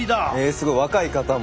すごい若い方も。